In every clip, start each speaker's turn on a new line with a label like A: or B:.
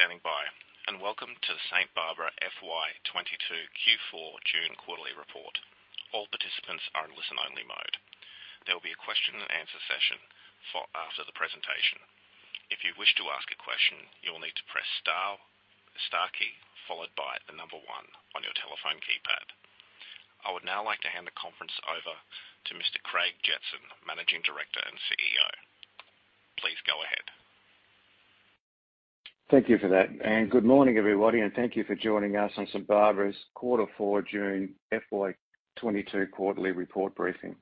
A: Thank you for standing by, and welcome to St Barbara FY 2022 Q4 June quarterly report. All participants are in listen-only mode. There will be a question and answer session after the presentation. If you wish to ask a question, you will need to press the star key followed by the number one on your telephone keypad. I would now like to hand the conference over to Mr. Craig Jetson, Managing Director and CEO. Please go ahead.
B: Thank you for that, and good morning, everybody, and thank you for joining us on St Barbara's quarter four June FY 2022 quarterly report briefing.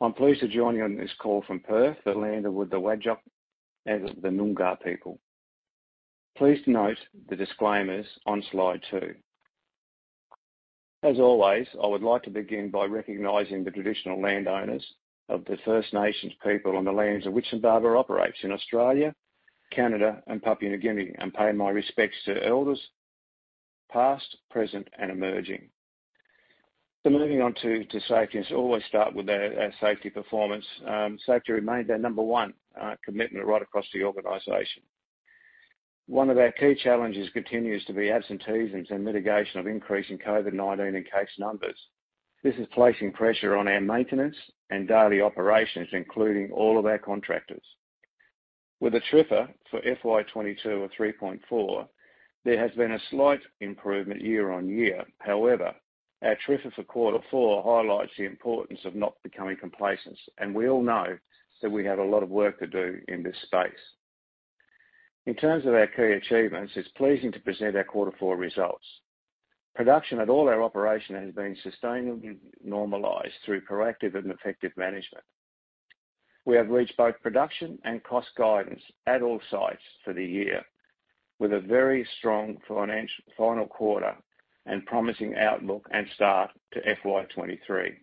B: I'm pleased to join you on this call from Perth, the land of the Whadjuk and the Noongar people. Please note the disclaimers on slide two. As always, I would like to begin by recognizing the traditional landowners of the First Nations people on the lands of which St Barbara operates in Australia, Canada, and Papua New Guinea, and pay my respects to elders, past, present, and emerging. Moving on to safety. Always start with our safety performance. Safety remains our number one commitment right across the organization. One of our key challenges continues to be absenteeism and mitigation of increasing COVID-19 case numbers. This is placing pressure on our maintenance and daily operations, including all of our contractors. With a TRIFR for FY 2022 of 3.4, there has been a slight improvement year-on-year. However, our TRIFR for quarter four highlights the importance of not becoming complacent, and we all know that we have a lot of work to do in this space. In terms of our key achievements, it's pleasing to present our quarter four results. Production at all our operations has been sustainably normalized through proactive and effective management. We have reached both production and cost guidance at all sites for the year, with a very strong financial final quarter and promising outlook and start to FY 2023.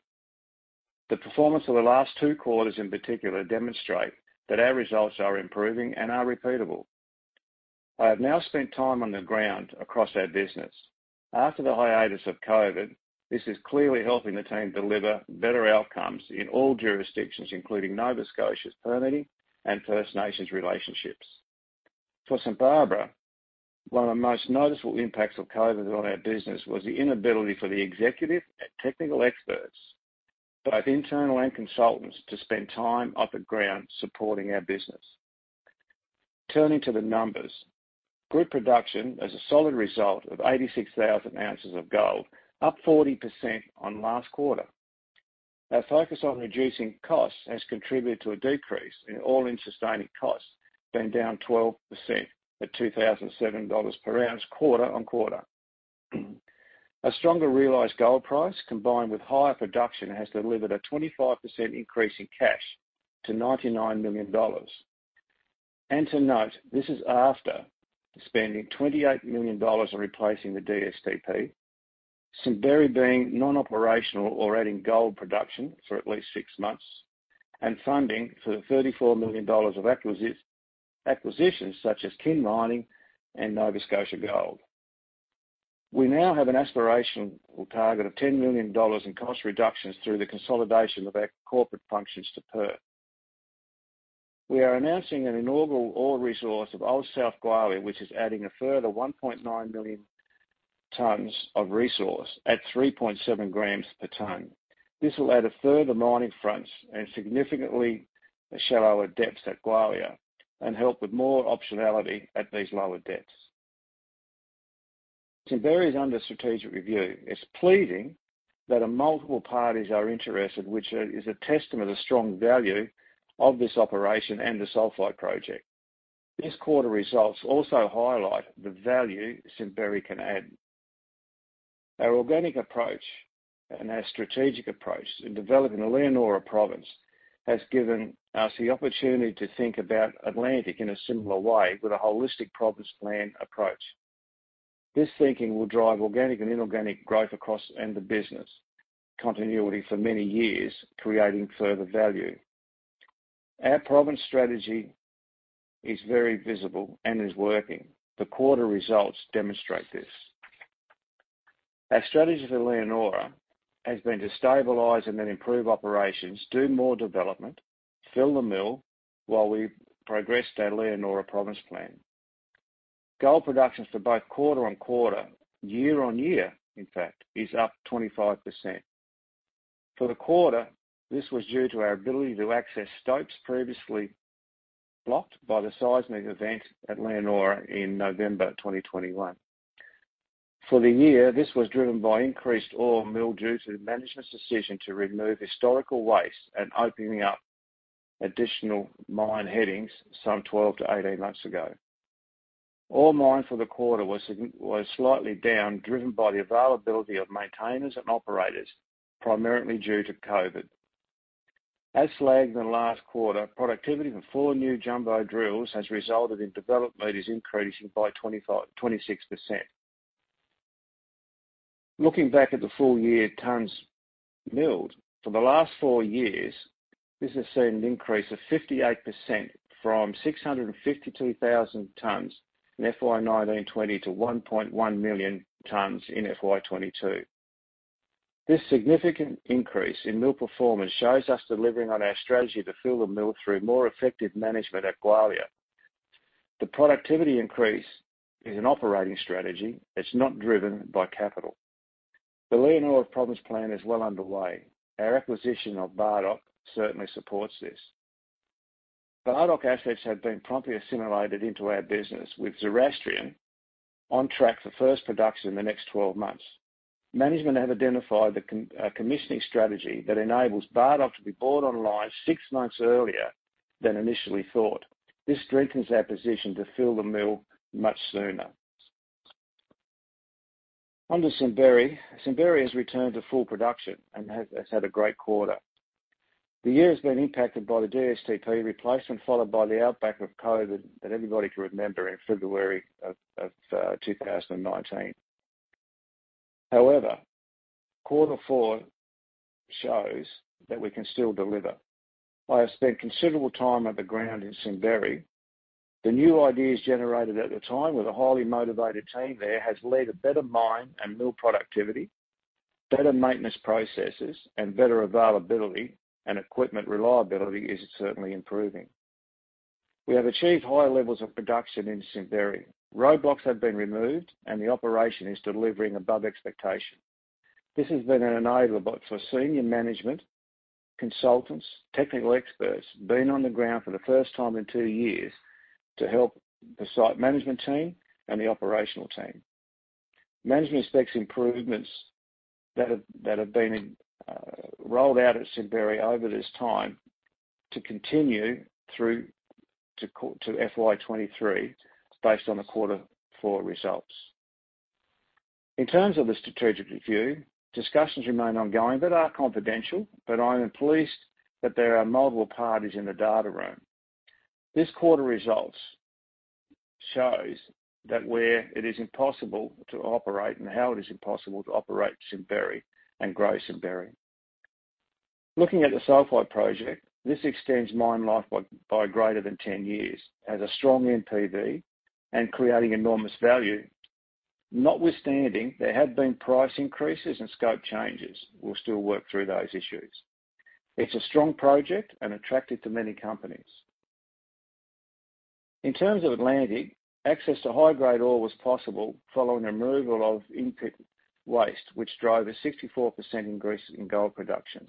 B: The performance of the last two quarters in particular demonstrate that our results are improving and are repeatable. I have now spent time on the ground across our business. After the hiatus of COVID, this is clearly helping the team deliver better outcomes in all jurisdictions, including Nova Scotia's permitting and First Nations relationships. For St Barbara, one of the most noticeable impacts of COVID on our business was the inability for the executive and technical experts, both internal and consultants, to spend time on the ground supporting our business. Turning to the numbers. Group production was a solid result of 86,000 ounces of gold, up 40% on last quarter. Our focus on reducing costs has contributed to a decrease in all-in sustaining costs, being down 12% at 2,007 dollars per ounce, quarter-on-quarter. A stronger realized gold price, combined with higher production, has delivered a 25% increase in cash to 99 million dollars. To note, this is after spending 28 million dollars on replacing the DSTP, Simberi being non-operational or adding gold production for at least six months, and funding for the 34 million dollars of acquisitions such as Kin Mining and Nova Scotia Gold. We now have an aspirational target of 10 million dollars in cost reductions through the consolidation of our corporate functions to Perth. We are announcing an inaugural ore resource of Old South Gwalia, which is adding a further 1.9 million tons of resource at 3.7 grams per ton. This will add a further mining fronts and significantly shallower depths at Gwalia and help with more optionality at these lower depths. St Barbara is under strategic review. It's pleasing that multiple parties are interested, which is a testament to the strong value of this operation and the sulfide project. These quarter results also highlight the value St Barbara can add. Our organic approach and our strategic approach in developing the Leonora Province has given us the opportunity to think about Atlantic in a similar way with a holistic Province Plan approach. This thinking will drive organic and inorganic growth across the business continuity for many years, creating further value. Our province strategy is very visible and is working. The quarter results demonstrate this. Our strategy for Leonora has been to stabilize and then improve operations, do more development, fill the mill while we progress our Leonora Province Plan. Gold production for both quarter-on-quarter, year-on-year, in fact, is up 25%. For the quarter, this was due to our ability to access stopes previously blocked by the seismic event at Leonora in November 2021. For the year, this was driven by increased ore milled due to management's decision to remove historical waste and opening up additional mine headings some 12-18 months ago. Ore mined for the quarter was slightly down, driven by the availability of maintainers and operators, primarily due to COVID. It lagged in the last quarter, productivity for four new jumbo drills has resulted in development increasing by 25-26%. Looking back at the full year, tons milled. For the last four years, this has seen an increase of 58% from 652,000 tons in FY 2019/2020 to 1.1 million tons in FY 2022. This significant increase in mill performance shows us delivering on our strategy to fill the mill through more effective management at Gwalia. The productivity increase is an operating strategy. It's not driven by capital. The Leonora Province Plan is well underway. Our acquisition of Bardoc certainly supports this. The Bardoc assets have been promptly assimilated into our business, with Zoroastrian on track for first production in the next 12 months. Management have identified the commissioning strategy that enables Bardoc to be brought online six months earlier than initially thought. This strengthens our position to fill the mill much sooner. Under St Barbara. St Barbara has returned to full production and has had a great quarter. The year has been impacted by the DSTP replacement, followed by the outbreak of COVID that everybody can remember in February of 2019. However, quarter four shows that we can still deliver. I have spent considerable time on the ground in St Barbara. The new ideas generated at the time with a highly motivated team there has led to better mine and mill productivity, better maintenance processes, and better availability and equipment reliability is certainly improving. We have achieved higher levels of production in Simberi. Roadblocks have been removed, and the operation is delivering above expectation. This has been an enabler for senior management, consultants, technical experts, being on the ground for the first time in two years to help the site management team and the operational team. Management expects improvements that have been rolled out at Simberi over this time to continue through to FY 2023, based on the quarter four results. In terms of the strategic review, discussions remain ongoing but are confidential, but I am pleased that there are multiple parties in the data room. This quarter's results show that it is possible to operate and how it is possible to operate Simberi and grow Simberi. Looking at the Sulphide project, this extends mine life by greater than 10 years, has a strong NPV, and creating enormous value. Notwithstanding, there have been price increases and scope changes. We'll still work through those issues. It's a strong project and attractive to many companies. In terms of Atlantic, access to high-grade ore was possible following the removal of in-pit waste, which drove a 64% increase in gold production.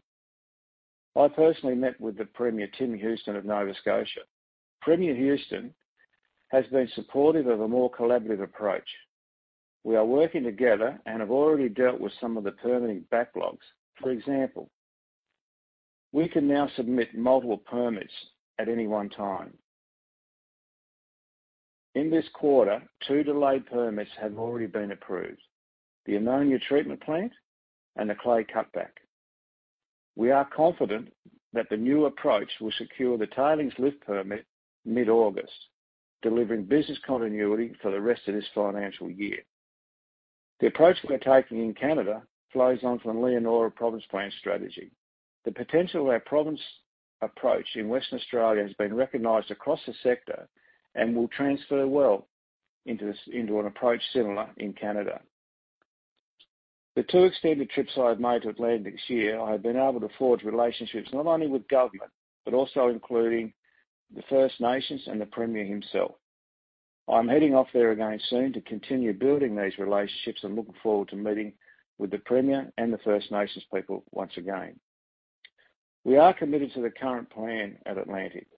B: I personally met with Premier Tim Houston of Nova Scotia. Premier Houston has been supportive of a more collaborative approach. We are working together and have already dealt with some of the permitting backlogs. For example, we can now submit multiple permits at any one time. In this quarter, two delayed permits have already been approved the ammonia treatment plant and the clay cutback. We are confident that the new approach will secure the tailings lift permit mid-August, delivering business continuity for the rest of this financial year. The approach we're taking in Canada flows on from Leonora Province Plan strategy. The potential of our province approach in Western Australia has been recognized across the sector and will transfer well into an approach similar in Canada. The two extended trips I have made to Atlantic this year, I have been able to forge relationships not only with government, but also including the First Nations and the Premier himself. I'm heading off there again soon to continue building these relationships and looking forward to meeting with the Premier and the First Nations people once again. We are committed to the current plan at Atlantic.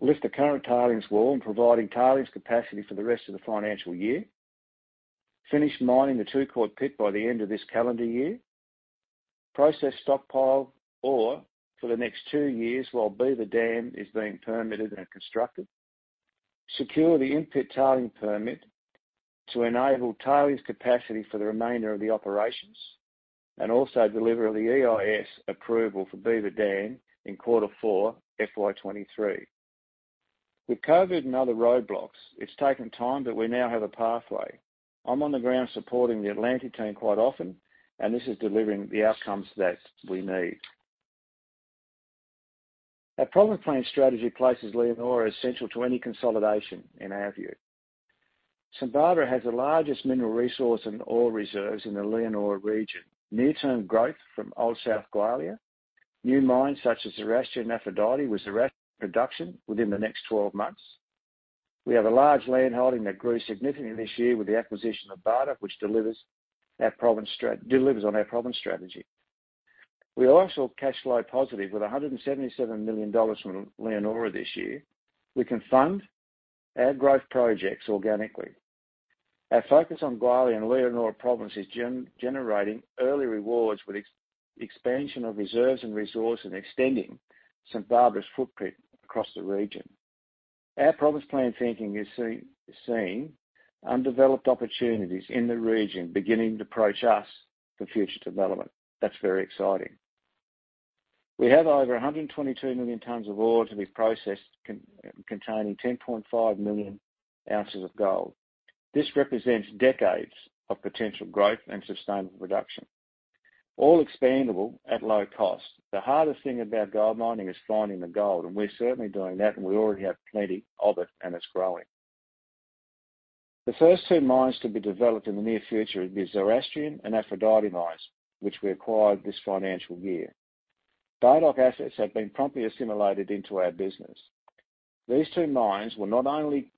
B: Lift the current tailings wall and providing tailings capacity for the rest of the financial year. Finish mining the Touquoy Pit by the end of this calendar year. Process stockpile ore for the next two years while Beaver Dam is being permitted and constructed. Secure the in-pit tailings permit to enable tailings capacity for the remainder of the operations, and also deliver the EIS approval for Beaver Dam in quarter four FY 2023. With COVID and other roadblocks, it's taken time, but we now have a pathway. I'm on the ground supporting the Atlantic team quite often, and this is delivering the outcomes that we need. Our Leonora Province Plan strategy places Leonora as essential to any consolidation in our view. St Barbara has the largest mineral resource and ore reserves in the Leonora region. Near-term growth from Old South Gwalia, new mines such as Zoroastrian and Aphrodite, with Zoroastrian production within the next 12 months. We have a large land holding that grew significantly this year with the acquisition of Bardoc, which delivers on our province strategy. We are also cash flow positive with 177 million dollars from Leonora this year. We can fund our growth projects organically. Our focus on Gwalia and Leonora Province is generating early rewards with expansion of reserves and resource and extending St Barbara's footprint across the region. Our Province Plan thinking is seeing undeveloped opportunities in the region, beginning to approach us for future development. That's very exciting. We have over 122 million tons of ore to be processed containing 10.5 million ounces of gold. This represents decades of potential growth and sustainable production, all expandable at low cost. The hardest thing about gold mining is finding the gold, and we're certainly doing that, and we already have plenty of it, and it's growing. The first two mines to be developed in the near future will be Zoroastrian and Aphrodite mines, which we acquired this financial year. Bardoc assets have been promptly assimilated into our business. These two mines will not only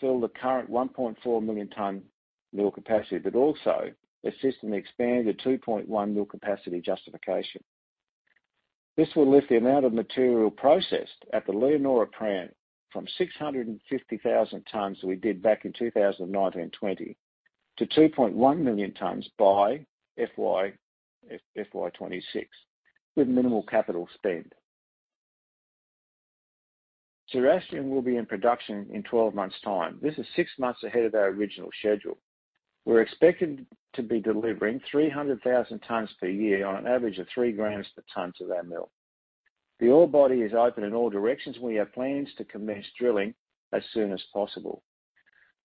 B: fill the current 1.4 million ton mill capacity, but also the system expanded 2.1 mill capacity justification. This will lift the amount of material processed at the Leonora plant from 650,000 tons we did back in 2019/20 to 2.1 million tons by FY26 with minimal capital spend. Zoroastrian will be in production in 12 months' time. This is six months ahead of our original schedule. We're expected to be delivering 300,000 tons per year on an average of three grams per ton to our mill. The ore body is open in all directions. We have plans to commence drilling as soon as possible.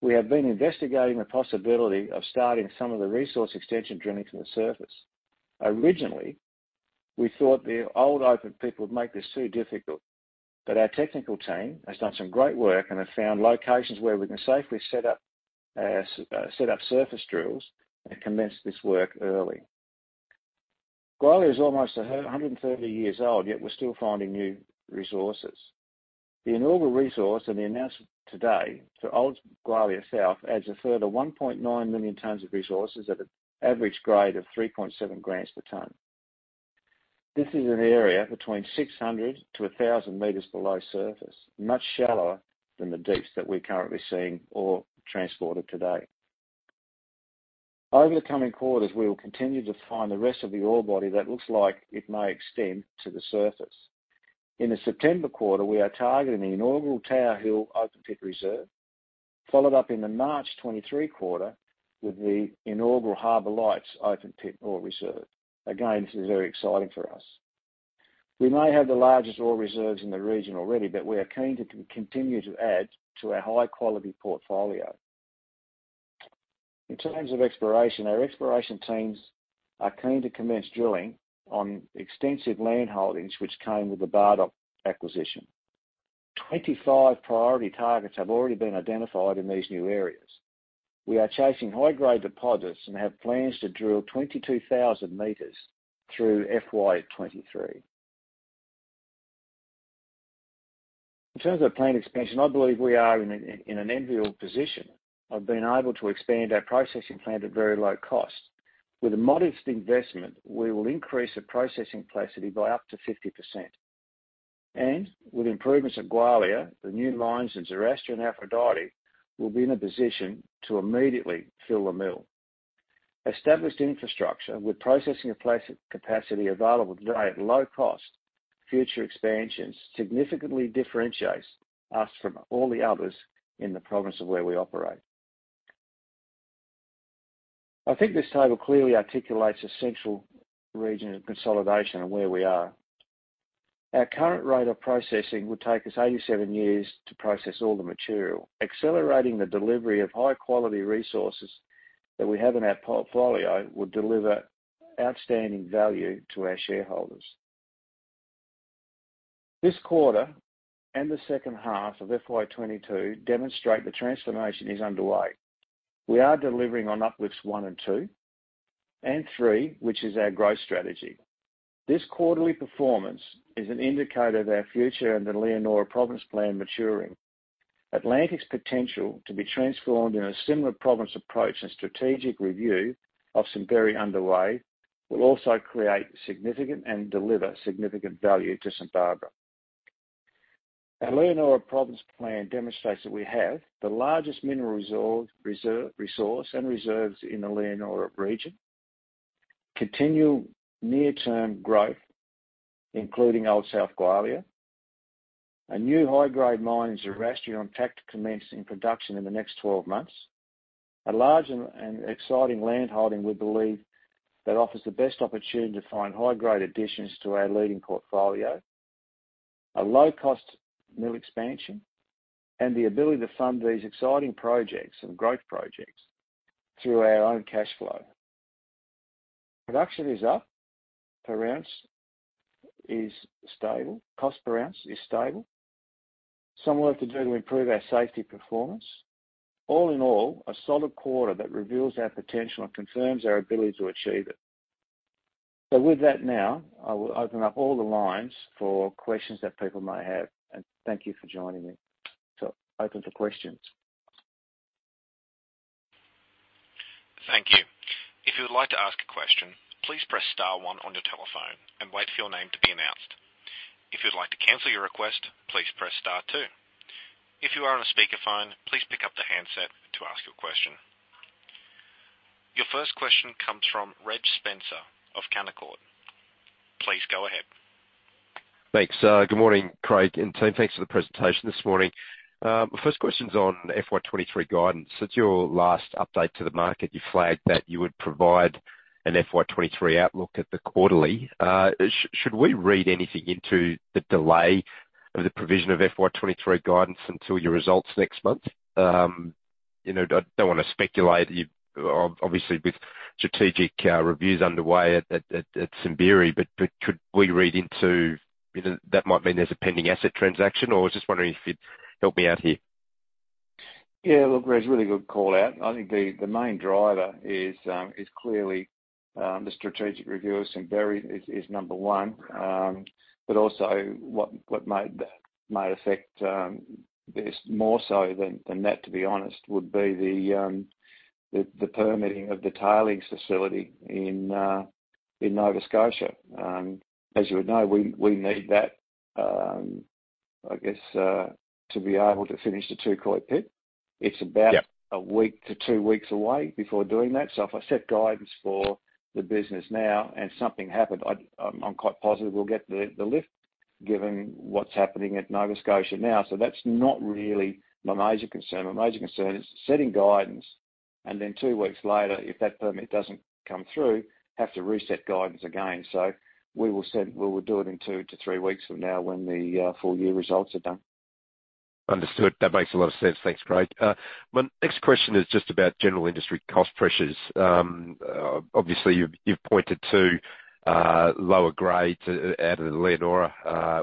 B: We have been investigating the possibility of starting some of the resource extension drilling from the surface. Originally, we thought the old open pit would make this too difficult, but our technical team has done some great work and have found locations where we can safely set up surface drills and commence this work early. Gwalia is almost 130 years old, yet we're still finding new resources. The inaugural resource and the announcement today for Old Gwalia South adds a further 1.9 million tons of resources at an average grade of 3.7 grams per ton. This is an area between 600-1,000 meters below surface, much shallower than the depths that we're currently seeing ore transported today. Over the coming quarters, we will continue to find the rest of the ore body that looks like it may extend to the surface. In the September quarter, we are targeting the inaugural Tower Hill open pit reserve, followed up in the March 2023 quarter with the inaugural Harbour Lights open pit ore reserve. Again, this is very exciting for us. We may have the largest ore reserves in the region already, but we are keen to continue to add to our high-quality portfolio. In terms of exploration, our exploration teams are keen to commence drilling on extensive land holdings, which came with the Bardoc acquisition. 25 priority targets have already been identified in these new areas. We are chasing high-grade deposits and have plans to drill 22,000 meters through FY 2023. In terms of plant expansion, I believe we are in an enviable position of being able to expand our processing plant at very low cost. With a modest investment, we will increase the processing capacity by up to 50%. With improvements at Gwalia, the new mines in Zoroastrian and Aphrodite, we'll be in a position to immediately fill the mill. Established infrastructure with processing capacity available today at low cost, future expansions significantly differentiates us from all the others in the province of where we operate. I think this table clearly articulates the central region of consolidation and where we are. Our current rate of processing would take us 87 years to process all the material. Accelerating the delivery of high-quality resources that we have in our portfolio would deliver outstanding value to our shareholders. This quarter and the second half of FY 2022 demonstrate the transformation is underway. We are delivering on uplifts one and two, and three, which is our growth strategy. This quarterly performance is an indicator of our future and the Leonora Province Plan maturing. Atlantic's potential to be transformed in a similar province approach and a strategic review is underway, will also create significant and deliver significant value to St Barbara. Our Leonora Province Plan demonstrates that we have the largest mineral resource and reserves in the Leonora region. Continual near-term growth, including Old South Gwalia. A new high-grade mine in Zoroastrian on track to commence production in the next 12 months. A large and exciting land holding, we believe, that offers the best opportunity to find high-grade additions to our leading portfolio. A low-cost new expansion and the ability to fund these exciting projects and growth projects through our own cash flow. Production is up. Per ounce is stable. Cost per ounce is stable. Some work to do to improve our safety performance. All in all, a solid quarter that reveals our potential and confirms our ability to achieve it. With that now, I will open up all the lines for questions that people may have. Thank you for joining me. Open for questions.
A: Thank you. If you would like to ask a question, please press star one on your telephone and wait for your name to be announced. If you'd like to cancel your request, please press star two. If you are on a speaker phone, please pick up the handset to ask your question. Your first question comes from Reg Spencer of Canaccord. Please go ahead.
C: Thanks. Good morning, Craig and team. Thanks for the presentation this morning. My first question's on FY 2023 guidance. At your last update to the market, you flagged that you would provide an FY 2023 outlook at the quarterly. Should we read anything into the delay of the provision of FY 2023 guidance until your results next month? You know, I don't wanna speculate. Obviously, with strategic reviews underway at Simberi, but could we read into, you know, that might mean there's a pending asset transaction, or I was just wondering if you'd help me out here.
B: Yeah. Look, Reg, really good call out. I think the main driver is clearly the strategic review of Simberi is number one. Also what may affect this more so than that, to be honest, would be the permitting of the tailings facility in Nova Scotia. As you would know, we need that, I guess, to be able to finish the Touquoy Pit.
C: Yep.
B: It's about a week to two weeks away before doing that. If I set guidance for the business now and something happened, I'm quite positive we'll get the lift given what's happening at Nova Scotia now. That's not really my major concern. My major concern is setting guidance and then two weeks later, if that permit doesn't come through, have to reset guidance again. We will do it in two to three weeks from now when the full year results are done.
C: Understood. That makes a lot of sense. Thanks, Craig. My next question is just about general industry cost pressures. Obviously you've pointed to lower grades at Leonora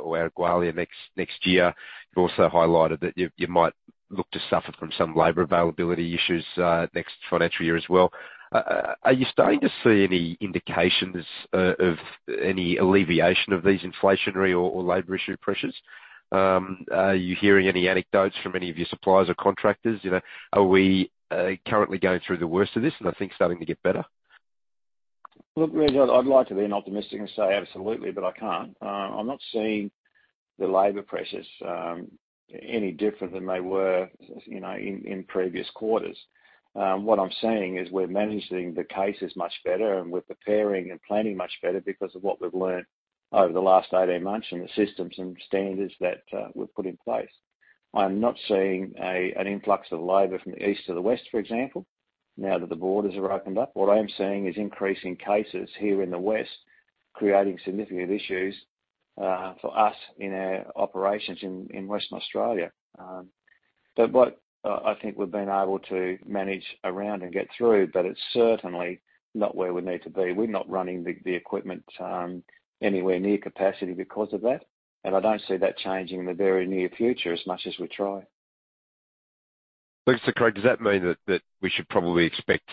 C: or at Gwalia next year. You also highlighted that you might look to suffer from some labor availability issues next financial year as well. Are you starting to see any indications of any alleviation of these inflationary or labor issue pressures? Are you hearing any anecdotes from any of your suppliers or contractors? You know, are we currently going through the worst of this and are things starting to get better?
B: Look, Reg, I'd like to be optimistic and say absolutely, but I can't. I'm not seeing the labor pressures any different than they were, you know, in previous quarters. What I'm seeing is we're managing the cases much better, and we're preparing and planning much better because of what we've learned over the last 18 months and the systems and standards that we've put in place. I'm not seeing an influx of labor from the east to the west, for example, now that the borders are opened up. What I am seeing is increasing cases here in the west creating significant issues for us in our operations in Western Australia. But what I think we've been able to manage around and get through, but it's certainly not where we need to be. We're not running the equipment anywhere near capacity because of that, and I don't see that changing in the very near future as much as we try.
C: Thanks. Craig, does that mean that we should probably expect,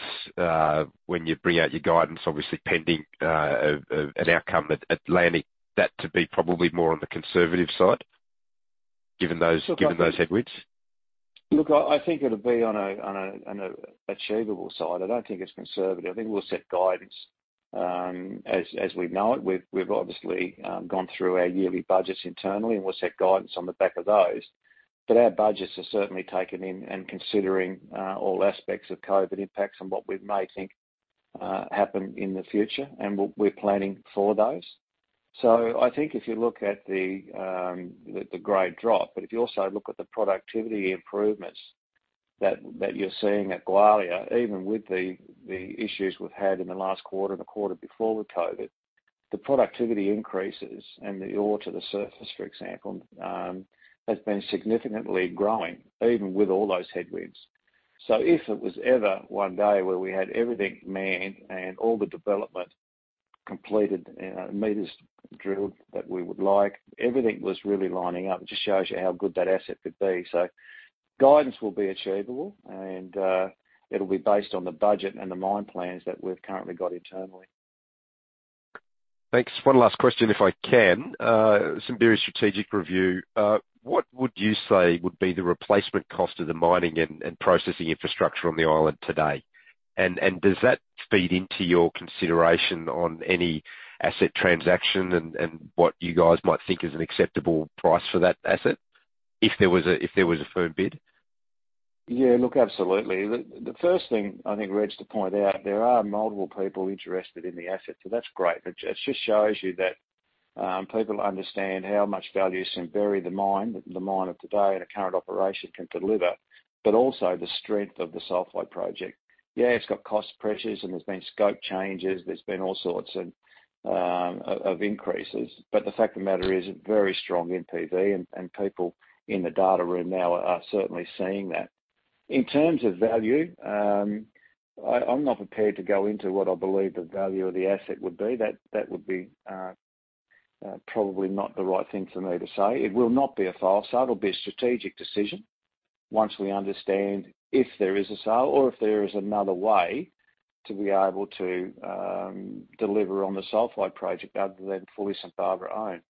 C: when you bring out your guidance, obviously pending an outcome at Atlantic, that to be probably more on the conservative side given those?
B: Look.
C: Given those headwinds?
B: Look, I think it'll be on an achievable side. I don't think it's conservative. I think we'll set guidance as we know it. We've obviously gone through our yearly budgets internally, and we'll set guidance on the back of those. Our budgets are certainly taking into consideration all aspects of COVID impacts and what we may think may happen in the future, and we're planning for those. I think if you look at the grade drop, but if you also look at the productivity improvements that you're seeing at Gwalia, even with the issues we've had in the last quarter and the quarter before with COVID, the productivity increases and the ore to the surface, for example, has been significantly growing even with all those headwinds. If it was ever one day where we had everything manned and all the development completed and our meters drilled that we would like, everything was really lining up, just shows you how good that asset could be. Guidance will be achievable and, it'll be based on the budget and the mine plans that we've currently got internally.
C: Thanks. One last question, if I can. Simberi's strategic review, what would you say would be the replacement cost of the mining and processing infrastructure on the island today? And does that feed into your consideration on any asset transaction and what you guys might think is an acceptable price for that asset if there was a firm bid?
B: Yeah, look, absolutely. The first thing I think, Reg, to point out, there are multiple people interested in the asset, so that's great. It just shows you that people understand how much value Simberi the mine of today and the current operation can deliver, but also the strength of the Sulphide project. Yeah, it's got cost pressures and there's been scope changes. There's been all sorts of increases. The fact of the matter is very strong NPV and people in the data room now are certainly seeing that. In terms of value, I'm not prepared to go into what I believe the value of the asset would be. That would be probably not the right thing for me to say. It will not be a fire sale. It'll be a strategic decision once we understand if there is a sale or if there is another way to be able to, deliver on the Sulfide project other than fully St Barbara owned.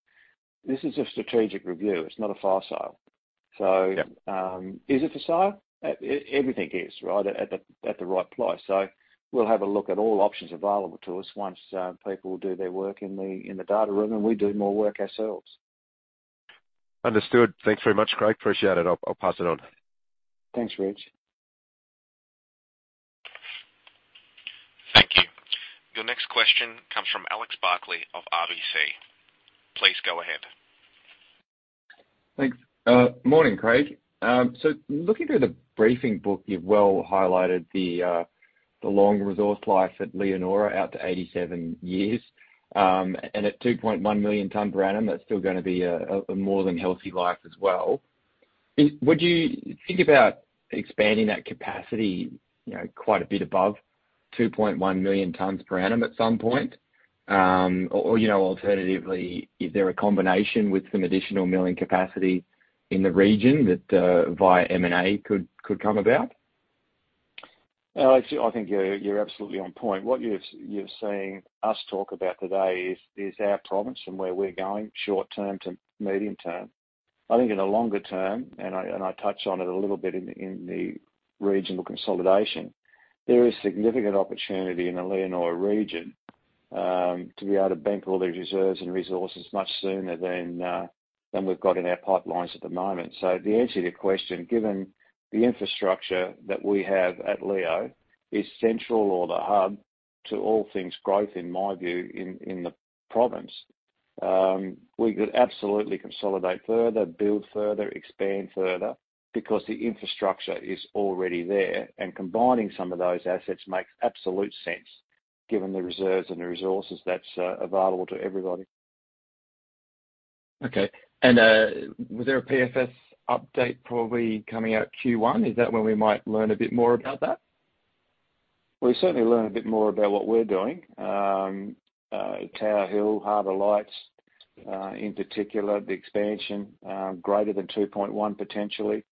B: This is a strategic review. It's not a fire sale.
C: Yep.
B: Is it for sale? Everything is, right, at the right price. We'll have a look at all options available to us once people do their work in the data room and we do more work ourselves.
C: Understood. Thanks very much, Craig. Appreciate it. I'll pass it on.
B: Thanks, Reg.
A: Thank you. Your next question comes from Alex Barclay of RBC. Please go ahead.
D: Thanks. Morning, Craig. Looking through the briefing book, you've well highlighted the long resource life at Leonora out to 87 years. At 2.1 million tons per annum, that's still gonna be a more than healthy life as well. Would you think about expanding that capacity, you know, quite a bit above 2.1 million tons per annum at some point? Alternatively, is there a combination with some additional milling capacity in the region that via M&A could come about?
B: I think you're absolutely on point. What you've seen us talk about today is our province and where we're going short term to medium term. I think in the longer term, and I touched on it a little bit in the regional consolidation, there is significant opportunity in the Leonora region to be able to bank all their reserves and resources much sooner than we've got in our pipelines at the moment. The answer to your question, given the infrastructure that we have at Leo is central or the hub to all things growth, in my view, in the province. We could absolutely consolidate further, build further, expand further because the infrastructure is already there, and combining some of those assets makes absolute sense given the reserves and the resources that's available to everybody.
D: Okay. Was there a PFS update probably coming out Q1? Is that when we might learn a bit more about that?
B: We'll certainly learn a bit more about what we're doing. Tower Hill, Harbour Lights, in particular, the expansion greater than 2.1, potentially.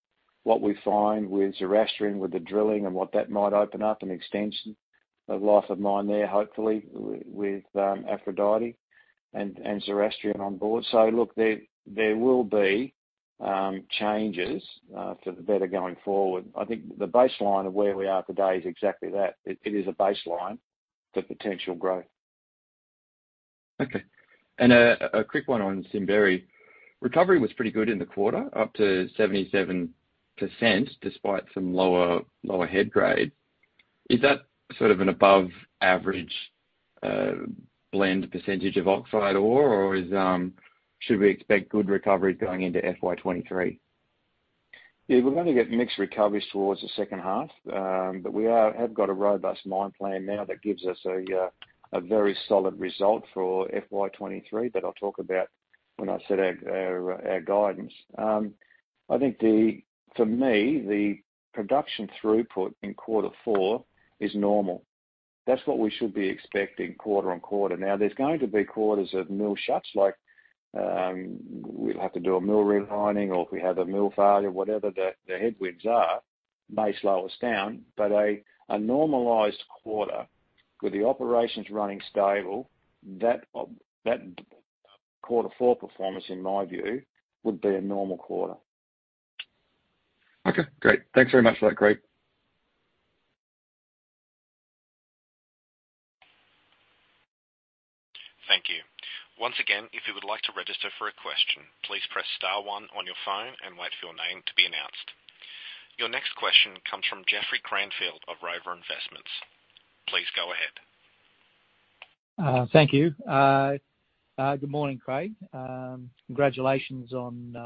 B: What we find with Zoroastrian, with the drilling and what that might open up an extension of life of mine there, hopefully with Aphrodite and Zoroastrian on board. Look, there will be changes for the better going forward. I think the baseline of where we are today is exactly that. It is a baseline for potential growth.
D: A quick one on Simberi. Recovery was pretty good in the quarter, up to 77%, despite some lower head grade. Is that sort of an above average blend percentage of oxide ore? Should we expect good recovery going into FY 2023?
B: Yeah, we're gonna get mixed recoveries towards the second half. We have got a robust mine plan now that gives us a very solid result for FY 2023 that I'll talk about when I set out our guidance. I think for me, the production throughput in quarter four is normal. That's what we should be expecting quarter-on-quarter. Now, there's going to be quarters of mill shuts like, we'll have to do a mill relining or if we have a mill failure, whatever the headwinds are may slow us down. A normalized quarter with the operations running stable, that quarter four performance, in my view, would be a normal quarter.
D: Okay, great. Thanks very much for that, Craig.
A: Thank you. Once again, if you would like to register for a question, please press star one on your phone and wait for your name to be announced. Your next question comes from Jeffrey Cranfield of Rover Investments. Please go ahead.
E: Thank you. Good morning, Craig. Congratulations on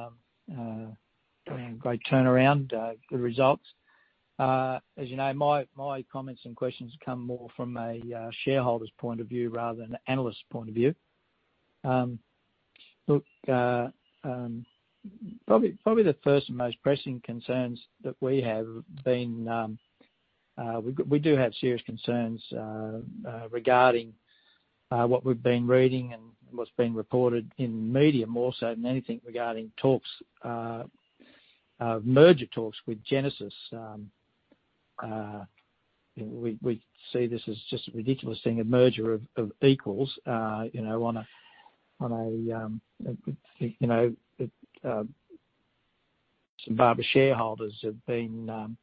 E: a great turnaround. Good results. As you know, my comments and questions come more from a shareholder's point of view rather than an analyst point of view. Look, probably the first and most pressing concerns. We do have serious concerns regarding what we've been reading and what's been reported in the media more so than anything regarding merger talks with Genesis. We see this as just a ridiculous thing, a merger of equals, you know, St Barbara shareholders have taken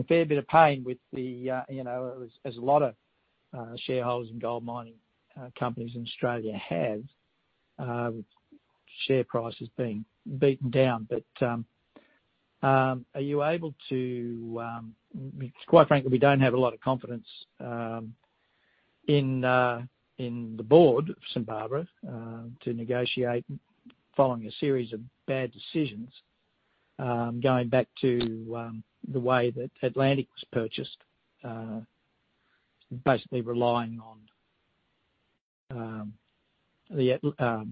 E: a fair bit of pain with, you know, as a lot of shareholders and gold mining companies in Australia have, with share prices being beaten down. Are you able to? Quite frankly, we don't have a lot of confidence in the board of St Barbara to negotiate following a series of bad decisions, going back to the way that Atlantic was purchased, basically relying on the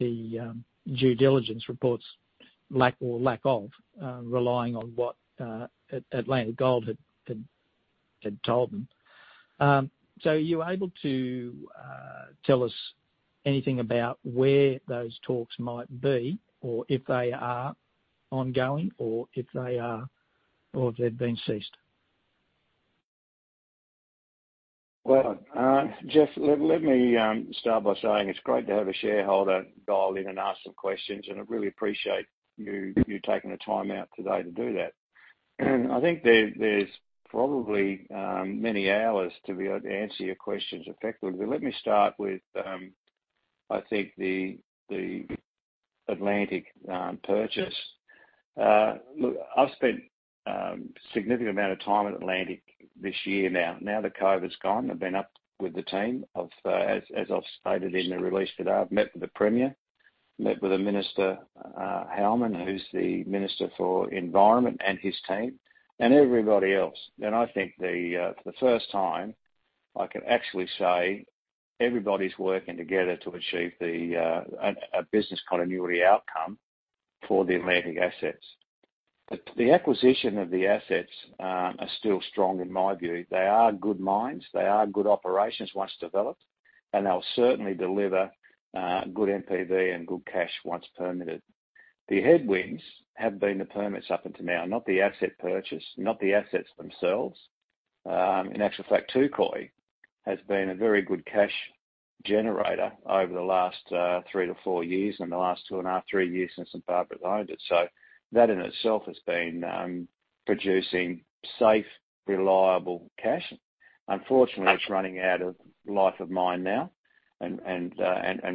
E: due diligence report's lack or lack of relying on what Atlantic Gold had told them. Are you able to tell us anything about where those talks might be, or if they are ongoing, or if they've been ceased?
B: Well, Jeff, let me start by saying it's great to have a shareholder dial in and ask some questions, and I really appreciate you taking the time out today to do that. I think there's probably many hours to be able to answer your questions effectively. Let me start with, I think the Atlantic purchase. Look, I've spent significant amount of time at Atlantic this year now. Now that COVID's gone, I've been up with the team, as I've stated in the release today. I've met with the Premier, met with the Minister, Halman, who's the Minister for Environment and his team and everybody else. I think, for the first time, I can actually say everybody's working together to achieve a business continuity outcome for the Atlantic assets. The acquisition of the assets are still strong in my view. They are good mines, they are good operations once developed, and they'll certainly deliver good NPV and good cash once permitted. The headwinds have been the permits up until now, not the asset purchase, not the assets themselves. In actual fact, Touquoy has been a very good cash generator over the last three to four years and the last two and a half, three years since St Barbara's owned it. That in itself has been producing safe, reliable cash. Unfortunately, it's running out of life of mine now and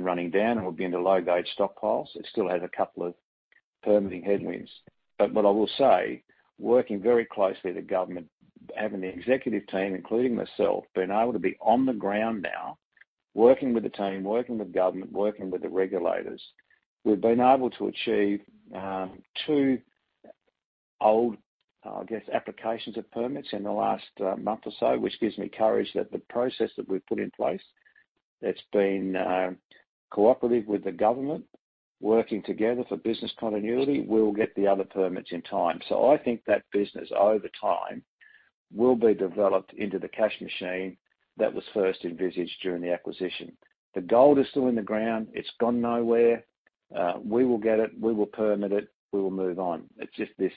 B: running down, and we'll be into low-grade stockpiles. It still has a couple of permitting headwinds. What I will say, working very closely with the government, having the executive team, including myself, being able to be on the ground now, working with the team, working with government, working with the regulators, we've been able to achieve two approvals in the last month or so, which gives me courage that the process that we've put in place that's been cooperative with the government, working together for business continuity, we'll get the other permits in time. I think that business over time will be developed into the cash machine that was first envisaged during the acquisition. The gold is still in the ground. It's gone nowhere. We will get it. We will permit it. We will move on. It's just this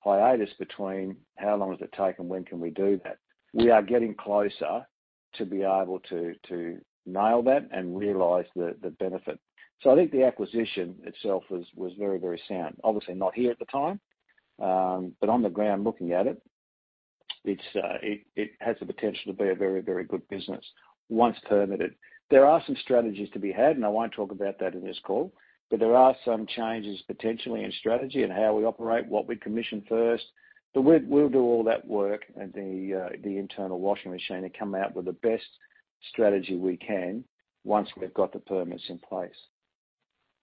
B: hiatus between how long does it take and when can we do that? We are getting closer to be able to nail that and realize the benefit. I think the acquisition itself was very, very sound. Obviously not here at the time, but on the ground looking at it has the potential to be a very, very good business once permitted. There are some strategies to be had, and I won't talk about that in this call, but there are some changes potentially in strategy in how we operate, what we commission first. We'll do all that work in the internal washing machine and come out with the best strategy we can once we've got the permits in place.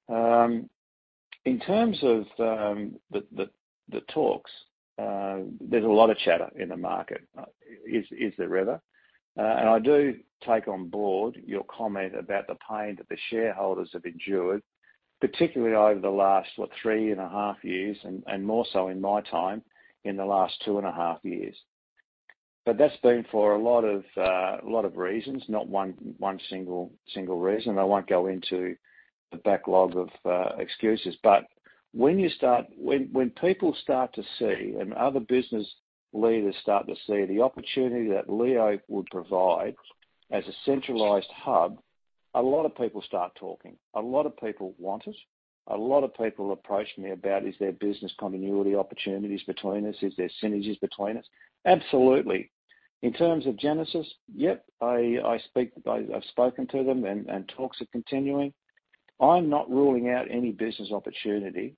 B: In terms of the talks, there's a lot of chatter in the market. Is there ever? I do take on board your comment about the pain that the shareholders have endured, particularly over the last, what, three and a half years and more so in my time in the last two and a half years. That's been for a lot of reasons, not one single reason. I won't go into the backlog of excuses. When people start to see and other business leaders start to see the opportunity that Leonora would provide as a centralized hub, a lot of people start talking. A lot of people want us. A lot of people approach me about, is there business continuity opportunities between us? Is there synergies between us? Absolutely. In terms of Genesis, yep. I've spoken to them and talks are continuing. I'm not ruling out any business opportunity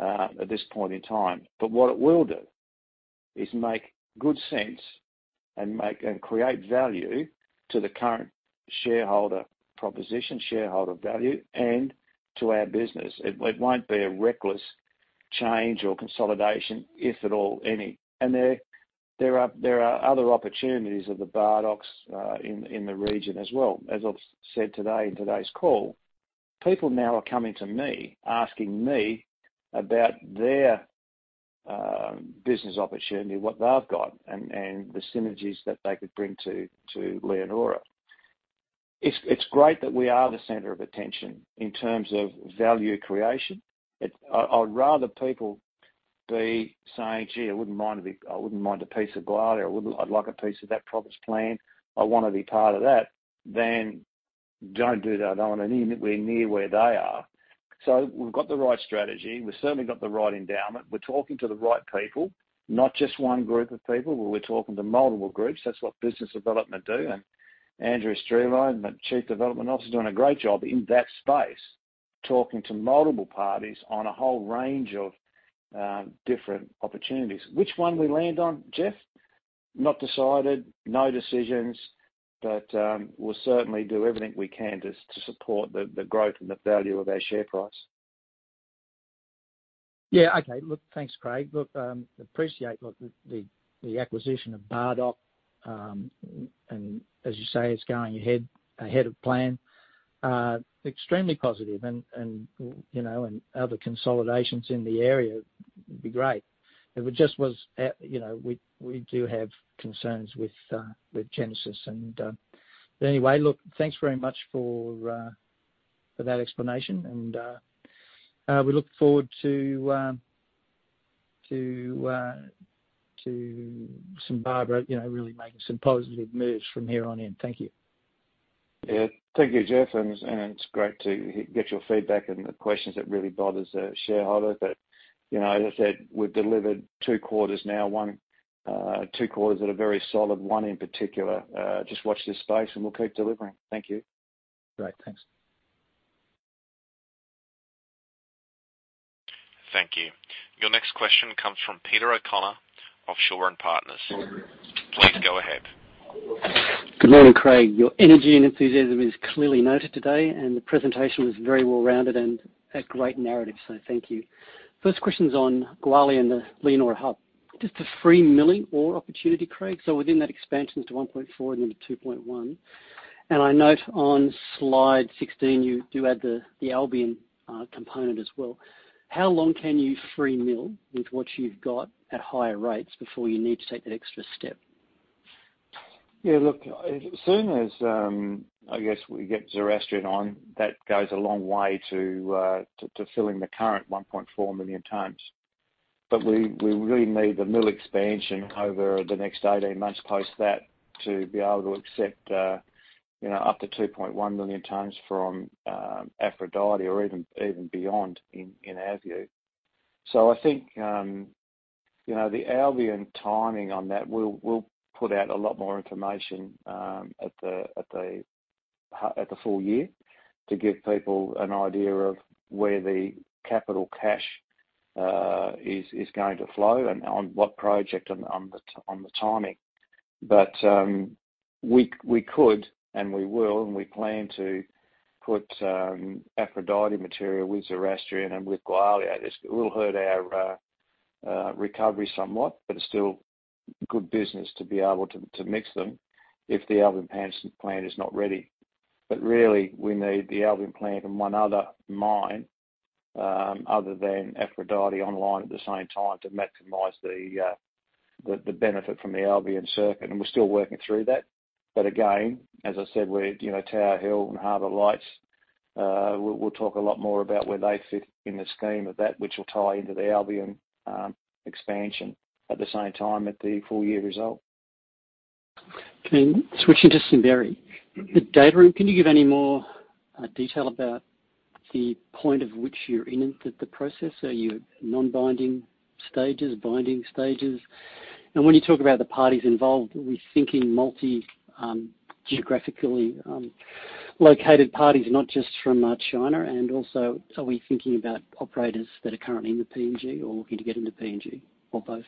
B: at this point in time. What it will do is make good sense and create value to the current shareholder proposition, shareholder value, and to our business. It won't be a reckless change or consolidation, if at all, any. There are other opportunities of the Bardoc in the region as well. As I've said today in today's call, people now are coming to me, asking me about their business opportunity, what they've got and the synergies that they could bring to Leonora. It's great that we are the center of attention in terms of value creation. I'd rather people be saying, "Gee, I wouldn't mind a piece of Gwalia or I'd like a piece of that Province Plan. I wanna be part of that" than "Don't do that. I don't want anywhere near where they are." We've got the right strategy. We've certainly got the right endowment. We're talking to the right people, not just one group of people. We're talking to multiple groups. That's what business development do. Andrew Strelein, the chief development officer, is doing a great job in that space, talking to multiple parties on a whole range of different opportunities. Which one we land on, Jeff? Not decided, no decisions, but we'll certainly do everything we can to support the growth and the value of our share price.
E: Yeah. Okay. Look, thanks, Craig. Look, appreciate the acquisition of Bardoc. And as you say, it's going ahead of plan. Extremely positive, and you know, other consolidations in the area would be great. You know, we do have concerns with Genesis, but anyway, look, thanks very much for that explanation, and we look forward to St Barbara, you know, really making some positive moves from here on in. Thank you.
B: Yeah. Thank you, Jeff. It's great to get your feedback and the questions that really bother the shareholders. You know, as I said, we've delivered two quarters now. One, two quarters that are very solid, one in particular. Just watch this space, and we'll keep delivering. Thank you.
E: Great. Thanks.
A: Thank you. Your next question comes from Peter O'Connor of Shaw and Partners. Please go ahead.
F: Good morning, Craig. Your energy and enthusiasm is clearly noted today, and the presentation was very well-rounded and a great narrative, so thank you. First question's on Gwalia and the Leonora hub. Just a free milling ore opportunity, Craig. So within that expansion to 1.4 and then to 2.1, and I note on slide 16, you do add the Albion component as well. How long can you free mill with what you've got at higher rates before you need to take that extra step?
B: Yeah, look, as soon as I guess we get Zoroastrian on, that goes a long way to filling the current 1.4 million tons. We really need the mill expansion over the next 18 months, close to that, to be able to accept, you know, up to 2.1 million tons from Aphrodite or even beyond in our view. I think, you know, the Albion timing on that, we'll put out a lot more information at the full year to give people an idea of where the capital cash is going to flow and on what project on the timing. We could, and we will, and we plan to put Aphrodite material with Zoroastrian and with Gwalia. This will hurt our recovery somewhat, but it's still good business to be able to mix them if the Albion expansion plan is not ready. Really, we need the Albion plant and one other mine other than Aphrodite online at the same time to maximize the benefit from the Albion circuit, and we're still working through that. Again, as I said, we're, you know, Tower Hill and Harbour Lights. We'll talk a lot more about where they fit in the scheme of that, which will tie into the Albion expansion at the same time at the full year result.
F: Okay. Switching to Simberi. The data room, can you give any more detail about the point at which you're in the process? Are you at non-binding stages, binding stages? When you talk about the parties involved, are we thinking multi, geographically located parties, not just from China? Also, are we thinking about operators that are currently in the PNG or looking to get into PNG or both?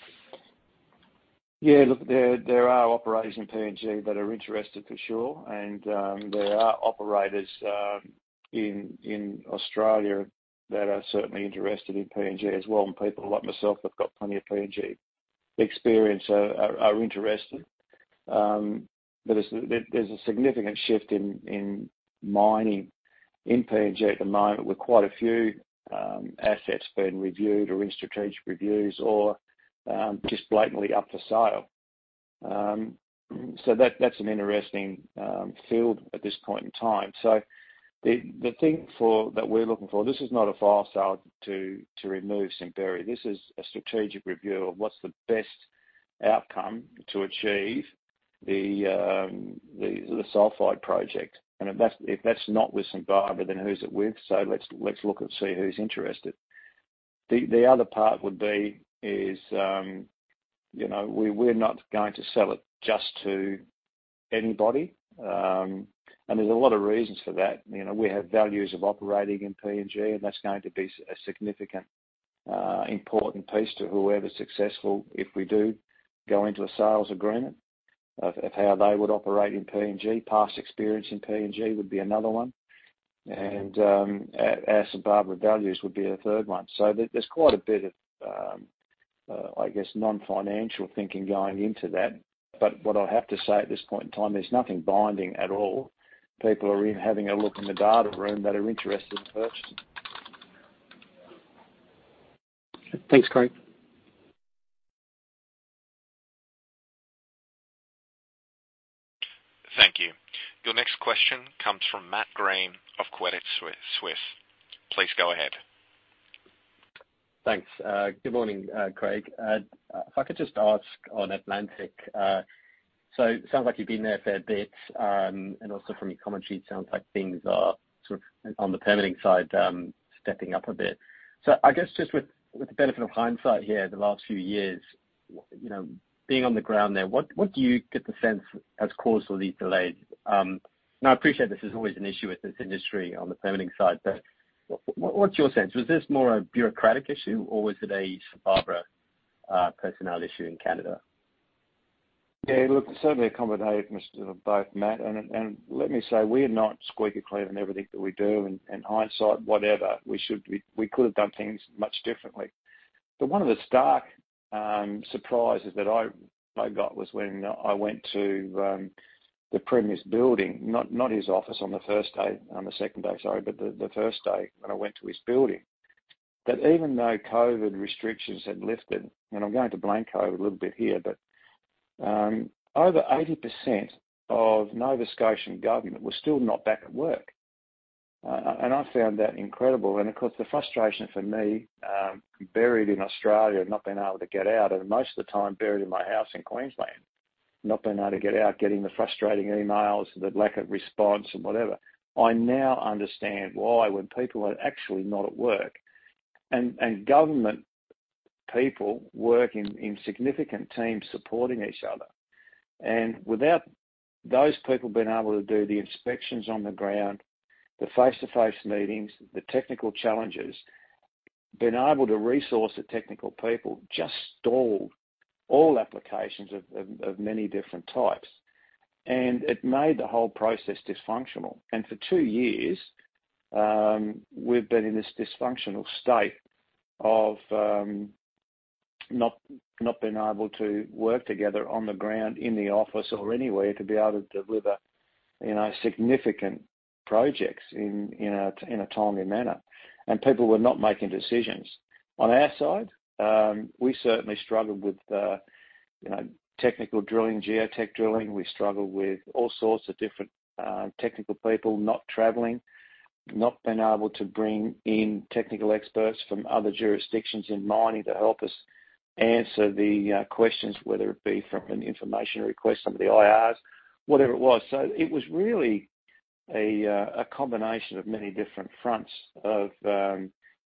B: Yeah, look, there are operators in PNG that are interested for sure. There are operators in Australia that are certainly interested in PNG as well, and people like myself have got plenty of PNG experience are interested. There's a significant shift in mining in PNG at the moment, with quite a few assets being reviewed or in strategic reviews or just blatantly up for sale. That's an interesting field at this point in time. The thing that we're looking for, this is not a fire sale to remove Simberi. This is a strategic review of what's the best outcome to achieve the Sulphide project. If that's not with St Barbara, then who's it with? Let's look and see who's interested. The other part would be, you know, we're not going to sell it just to anybody. There's a lot of reasons for that. You know, we have values of operating in PNG, and that's going to be a significant important piece to whoever's successful if we do go into a sales agreement of how they would operate in PNG. Past experience in PNG would be another one. Our St Barbara values would be a third one. There's quite a bit of, I guess, non-financial thinking going into that. What I have to say at this point in time, there's nothing binding at all. People are having a look in the data room that are interested in purchasing.
F: Thanks, Craig.
A: Thank you. Your next question comes from Matt Graham of Credit Suisse. Please go ahead.
G: Thanks. Good morning, Craig. If I could just ask on Atlantic, so sounds like you've been there a fair bit, and also from your comment sheet, sounds like things are sort of on the permitting side, stepping up a bit. I guess, just with the benefit of hindsight here the last few years, you know, being on the ground there, what do you get the sense has caused all these delays? I appreciate this is always an issue with this industry on the permitting side, but what's your sense? Was this more a bureaucratic issue or was it a St Barbara personnel issue in Canada?
B: Yeah, look, certainly a combination of both, Matt. Let me say, we are not squeaky clean in everything that we do. In hindsight, whatever, we could have done things much differently. One of the stark surprises that I got was when I went to the Premier's building, not his office on the first day, on the second day, sorry, but the first day when I went to his building. That even though COVID restrictions had lifted, and I'm going to blame COVID a little bit here, but over 80% of Nova Scotian government was still not back at work. I found that incredible. Of course, the frustration for me, buried in Australia, not being able to get out, and most of the time buried in my house in Queensland, not being able to get out, getting the frustrating emails, the lack of response and whatever. I now understand why when people are actually not at work. Government people work in significant teams supporting each other. Without those people being able to do the inspections on the ground, the face-to-face meetings, the technical challenges, being able to resource the technical people just stalled all applications of many different types. It made the whole process dysfunctional. For two years, we've been in this dysfunctional state of not being able to work together on the ground, in the office or anywhere to be able to deliver, you know, significant projects in a timely manner. People were not making decisions. On our side, we certainly struggled with, you know, technical drilling, geotech drilling. We struggled with all sorts of different technical people not traveling, not being able to bring in technical experts from other jurisdictions in mining to help us answer the questions, whether it be from an information request, some of the IRs, whatever it was. It was really a combination of many different fronts of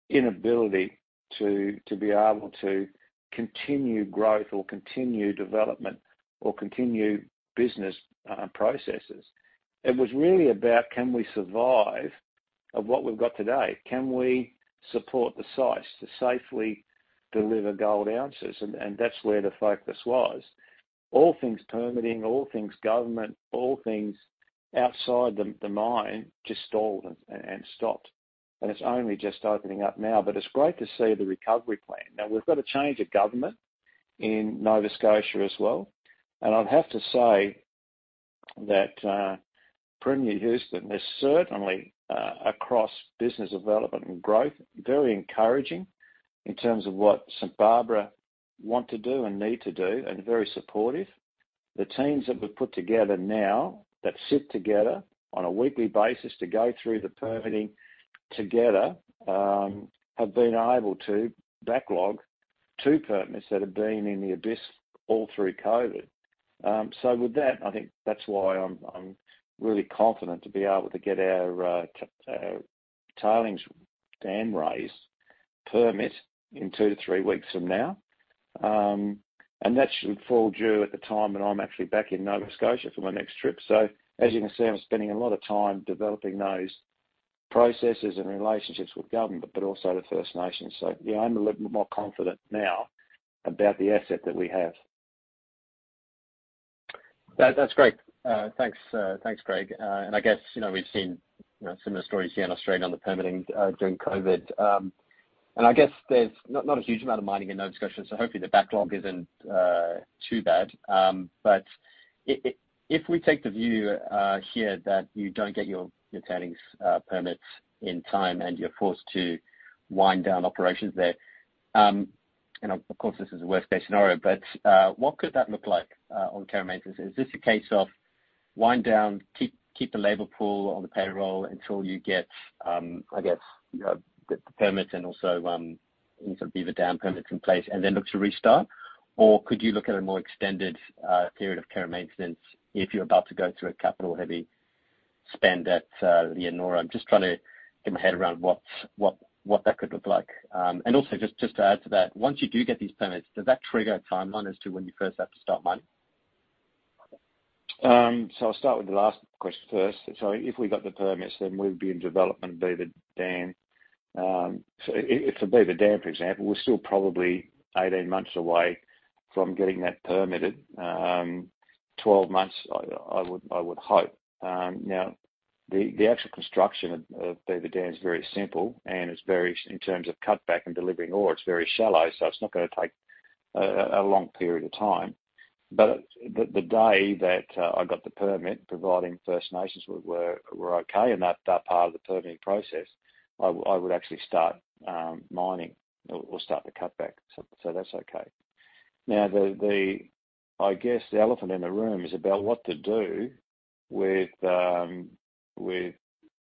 B: inability to be able to continue growth or continue development or continue business processes. It was really about can we survive of what we've got today? Can we support the sites to safely deliver gold ounces? That's where the focus was. All things permitting, all things government, all things outside the mine just stalled and stopped. It's only just opening up now. It's great to see the recovery plan. Now, we've got a change of government in Nova Scotia as well. I'd have to say that, Premier Houston is certainly across business development and growth, very encouraging in terms of what St Barbara want to do and need to do, and very supportive. The teams that we've put together now that sit together on a weekly basis to go through the permitting together, have been able to backlog two permits that have been in the abyss all through COVID. with that, I think that's why I'm really confident to be able to get our tailings dam raise permit in 2-3 weeks from now. that should fall due at the time when I'm actually back in Nova Scotia for my next trip. as you can see, I'm spending a lot of time developing those processes and relationships with government, but also the First Nations. yeah, I'm a little bit more confident now about the asset that we have.
G: That's great. Thanks, Greg. I guess, you know, we've seen, you know, similar stories here in Australia on the permitting during COVID. I guess there's not a huge amount of mining in Nova Scotia, so hopefully the backlog isn't too bad. If we take the view here that you don't get your tailings permits in time and you're forced to wind down operations there, and of course this is the worst-case scenario, but what could that look like on care and maintenance? Is this a case of wind down, keep the labor pool on the payroll until you get, I guess, get the permits and also, you know, some Beaver Dam permits in place and then look to restart? Could you look at a more extended period of care and maintenance if you're about to go through a capital-heavy spend at Leonora? I'm just trying to get my head around what that could look like. Also just to add to that, once you do get these permits, does that trigger a timeline as to when you first have to start mining?
B: I'll start with the last question first. If we got the permits, then we'd be in development Beaver Dam. If the Beaver Dam, for example, we're still probably 18 months away from getting that permitted. 12 months I would hope. Now the actual construction of Beaver Dam is very simple, and it's very short in terms of cutback and delivering ore, it's very shallow, so it's not gonna take a long period of time. The day that I got the permit, providing First Nations were okay in that part of the permitting process, I would actually start mining or start the cutback. That's okay. Now the I guess the elephant in the room is about what to do with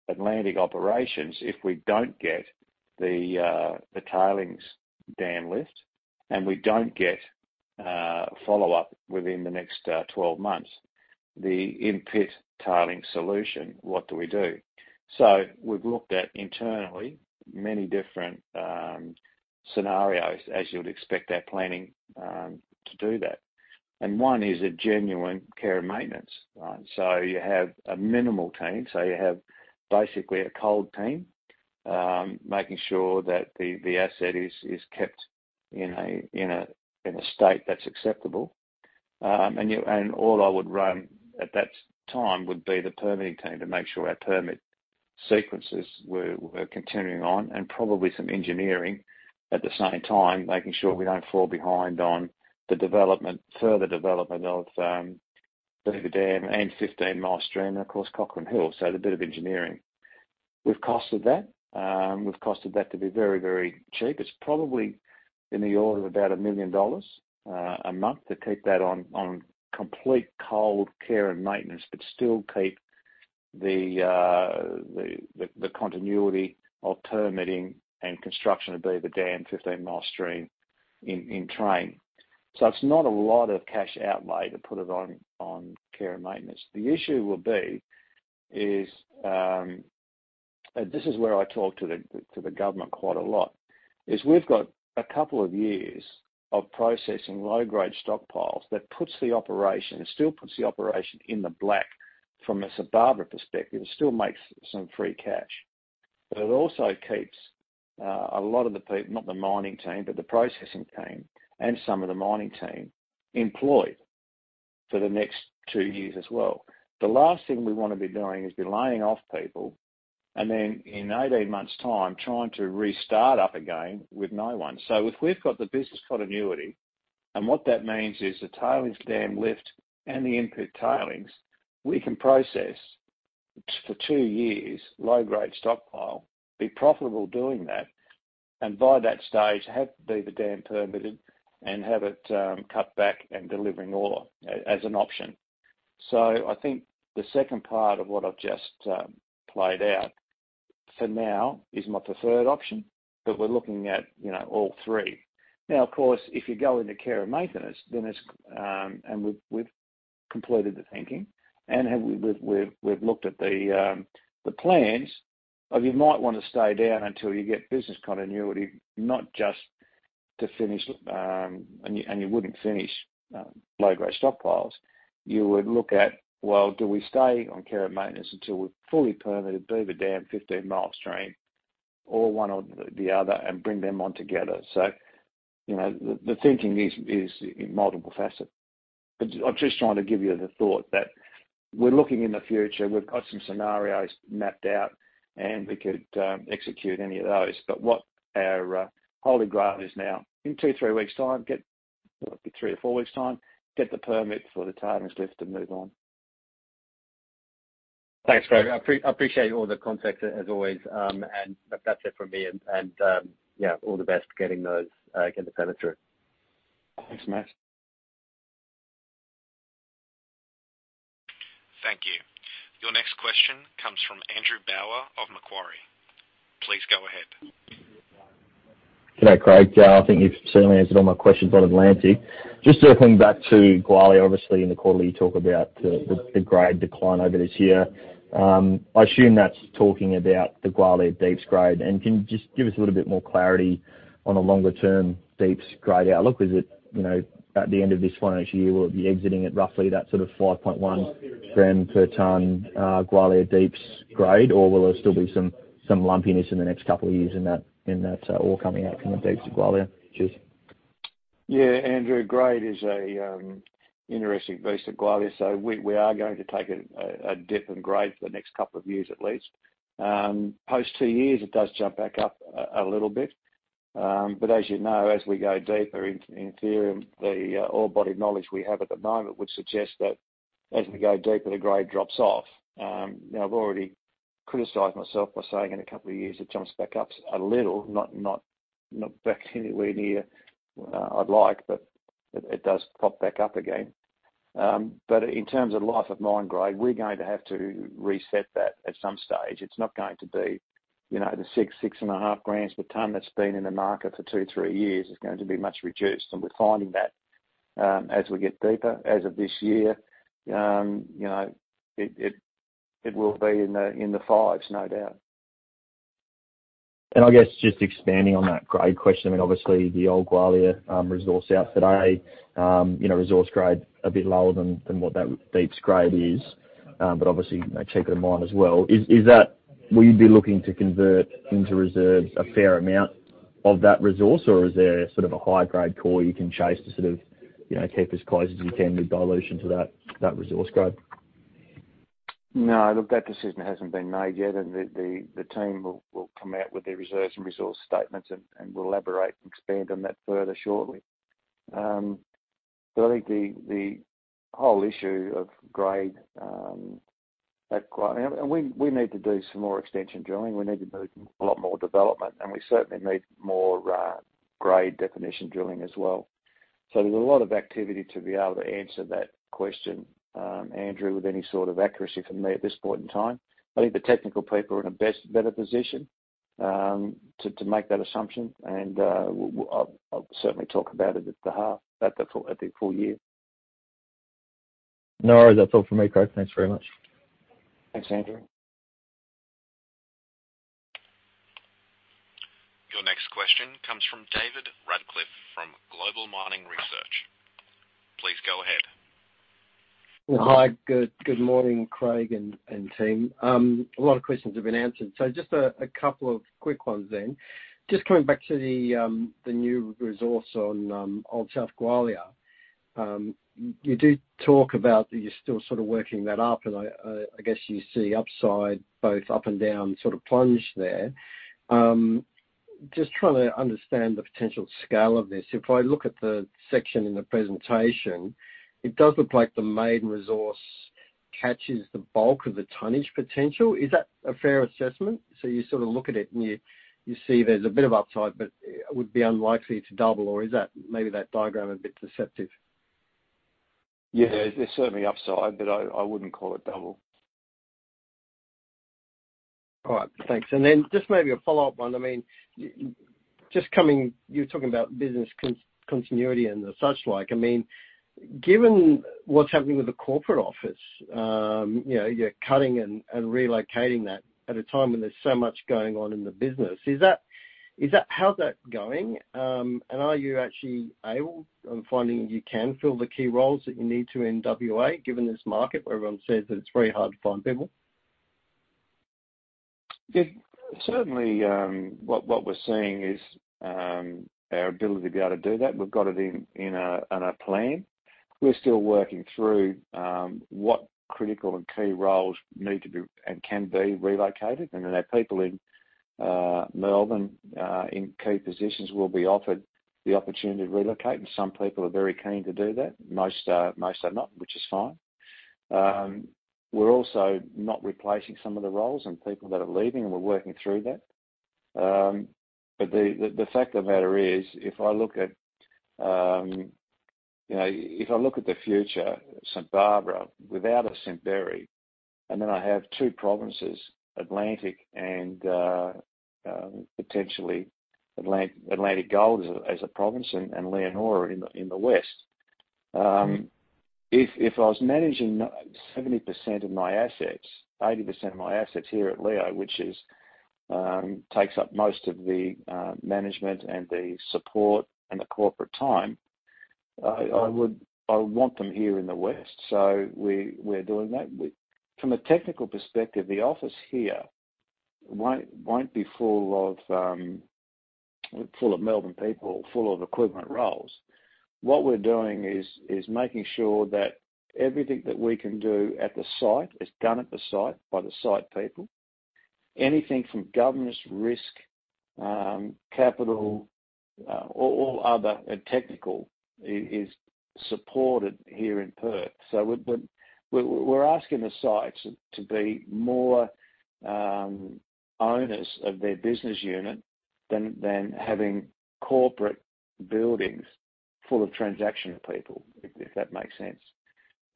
B: Atlantic Operations if we don't get the tailings dam lift and we don't get follow-up within the next 12 months. The in-pit tailings solution, what do we do? We've looked at internally many different scenarios, as you would expect our planning to do that. One is a genuine care and maintenance. You have a minimal team. You have basically a cold team making sure that the asset is kept in a state that's acceptable. And you... All I would run at that time would be the permitting team to make sure our permit sequences were continuing on and probably some engineering at the same time, making sure we don't fall behind on the development, further development of Beaver Dam and Fifteen Mile Stream and of course Cochrane Hill. A bit of engineering. We've costed that. We've costed that to be very, very cheap. It's probably in the order of about 1 million dollars a month to keep that on complete cold care and maintenance, but still keep the continuity of permitting and construction of Beaver Dam, Fifteen Mile Stream in train. It's not a lot of cash outlay to put it on care and maintenance. The issue will be is. This is where I talk to the government quite a lot, is we've got a couple of years of processing low-grade stockpiles that puts the operation, it still puts the operation in the black from a St Barbara perspective. It still makes some free cash. It also keeps a lot of the, not the mining team, but the processing team, and some of the mining team employed for the next two years as well. The last thing we wanna be doing is be laying off people and then in 18 months' time trying to restart up again with no one. If we've got the business continuity, and what that means is the tailings dam lift and the input tailings, we can process for two years low-grade stockpile, be profitable doing that, and by that stage have the dam permitted and have it cut back and delivering ore as an option. I think the second part of what I've just played out for now is my preferred option, but we're looking at, you know, all three. Now of course, if you go into care and maintenance, then it's. We've completed the thinking and we've looked at the plans if you might wanna stay down until you get business continuity, not just to finish, and you wouldn't finish low-grade stockpiles. You would look at, well, do we stay on care and maintenance until we've fully permitted Beaver Dam, Fifteen Mile Stream, or one or the other and bring them on together. You know, the thinking is multi-faceted. I'm just trying to give you the thought that we're looking in the future. We've got some scenarios mapped out, and we could execute any of those. What our holy grail is now, in 3-4 weeks time, get the permit for the tailings lift and move on.
G: Thanks, Craig. I appreciate all the context as always. That's it from me. Yeah, all the best getting the permit through.
B: Thanks, Matt.
A: Thank you. Your next question comes from Andrew Bowler of Macquarie. Please go ahead.
H: G'day, Craig. I think you've certainly answered all my questions on Atlantic. Just circling back to Gwalia, obviously in the quarterly, you talk about the grade decline over this year. I assume that's talking about the Gwalia Deeps grade. Can you just give us a little bit more clarity on a longer term Deeps grade outlook? Is it at the end of this financial year, we'll be exiting at roughly that sort of 5.1 gram per ton Gwalia Deeps grade, or will there still be some lumpiness in the next couple of years in that ore coming out from the deeps of Gwalia? Cheers.
B: Yeah, Andrew, grade is a interesting beast at Gwalia. We are going to take a dip in grade for the next couple of years, at least. Post two years, it does jump back up a little bit. As you know, as we go deeper, in theory, the ore body knowledge we have at the moment would suggest that as we go deeper, the grade drops off. Now, I've already criticized myself by saying in a couple of years, it jumps back up a little. Not back anywhere near I'd like, but it does pop back up again. In terms of life of mine grade, we're going to have to reset that at some stage. It's not going to be, you know, the 6.5 grams per ton that's been in the market for 2-3 years. It's going to be much reduced, and we're finding that as we get deeper. As of this year, you know, it will be in the fives, no doubt.
H: I guess just expanding on that grade question, I mean, obviously the old Gwalia resource update, you know, resource grade a bit lower than what that deeps grade is. But obviously, you know, cheaper to mine as well. Is that? Will you be looking to convert into reserves a fair amount of that resource, or is there sort of a high grade core you can chase to sort of, you know, keep as close as you can with dilution to that resource grade?
B: No. Look, that decision hasn't been made yet, and the team will come out with their reserves and resource statements and will elaborate and expand on that further shortly. But I think the whole issue of grade at Gwalia. We need to do some more extension drilling. We need to do a lot more development, and we certainly need more grade definition drilling as well. So there's a lot of activity to be able to answer that question, Andrew, with any sort of accuracy from me at this point in time. I think the technical people are in a better position to make that assumption, and I'll certainly talk about it at the half, at the full year.
H: No worries. That's all from me, Craig. Thanks very much.
B: Thanks, Andrew.
A: Your next question comes from David Radclyffe from Global Mining Research. Please go ahead.
I: Hi. Good morning, Craig and team. A lot of questions have been answered, so just a couple of quick ones then. Just coming back to the new resource on South Gwalia. You do talk about that you're still sort of working that up, and I guess you see upside both up and down, sort of plunge there. Just trying to understand the potential scale of this. If I look at the section in the presentation, it does look like the main resource catches the bulk of the tonnage potential. Is that a fair assessment? You sort of look at it, and you see there's a bit of upside, but it would be unlikely to double, or is that maybe that diagram a bit deceptive?
B: Yeah. There's certainly upside, but I wouldn't call it double.
I: All right. Thanks. Just maybe a follow-up one. I mean, you're talking about business continuity and the like. I mean, given what's happening with the corporate office, you know, you're cutting and relocating that at a time when there's so much going on in the business, how's that going? And are you actually able to find you can fill the key roles that you need to in WA, given this market where everyone says that it's very hard to find people?
B: Yes. Certainly, what we're seeing is our ability to be able to do that. We've got it in a plan. We're still working through what critical and key roles need to be and can be relocated. Our people in Melbourne in key positions will be offered the opportunity to relocate, and some people are very keen to do that. Most are not, which is fine. We're also not replacing some of the roles and people that are leaving, and we're working through that. The fact of the matter is, if I look at, you know, the future St Barbara without a Simberi. And then I have two provinces, Atlantic and potentially Atlantic Gold as a province, and Leonora in the west. If I was managing 70% of my assets, 80% of my assets here at Leo, which takes up most of the management and the support and the corporate time, I would want them here in the West. We're doing that. From a technical perspective, the office here won't be full of Melbourne people, full of equivalent roles. What we're doing is making sure that everything that we can do at the site is done at the site by the site people. Anything from governance, risk, capital, all other and technical is supported here in Perth. We're asking the sites to be more owners of their business unit than having corporate buildings full of transactional people, if that makes sense.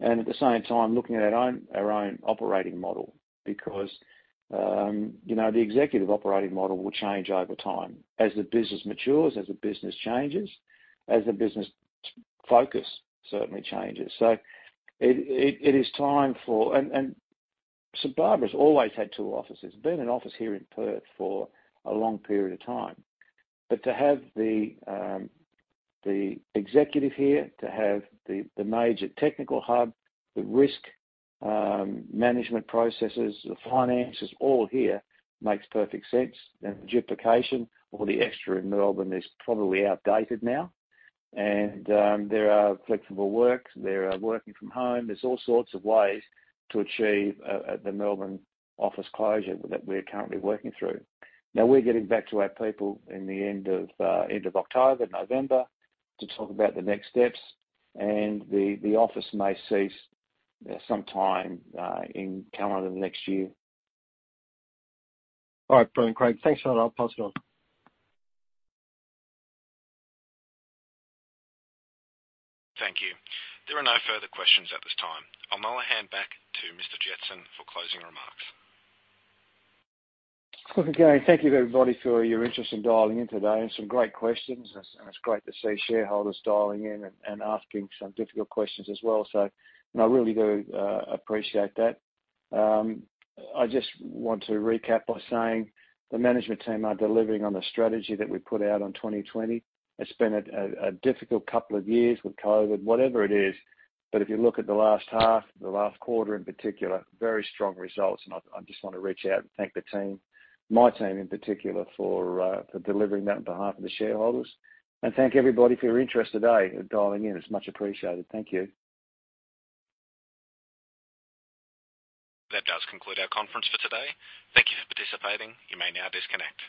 B: At the same time, looking at our own operating model because you know, the executive operating model will change over time as the business matures, as the business changes, as the business focus certainly changes. It is time for St Barbara's always had two offices. There's been an office here in Perth for a long period of time. To have the executive here, to have the major technical hub, the risk management processes, the finances, all here, makes perfect sense. The duplication or the extra in Melbourne is probably outdated now. There are flexible work. There are working from home. There's all sorts of ways to achieve the Melbourne office closure that we're currently working through. Now, we're getting back to our people in the end of October, November, to talk about the next steps. The office may cease sometime in calendar next year.
I: All right. Brilliant, Craig. Thanks a lot. I'll pass it on.
A: Thank you. There are no further questions at this time. I'll now hand back to Mr. Jetson for closing remarks.
B: Okay. Thank you to everybody for your interest in dialing in today. Some great questions. It's great to see shareholders dialing in and asking some difficult questions as well, so I really do appreciate that. I just want to recap by saying the management team are delivering on the strategy that we put out on 2020. It's been a difficult couple of years with COVID, whatever it is. If you look at the last half, the last quarter in particular, very strong results. I just wanna reach out and thank the team, my team in particular, for delivering that on behalf of the shareholders. Thank everybody for your interest today in dialing in. It's much appreciated. Thank you.
A: That does conclude our conference for today. Thank you for participating. You may now disconnect.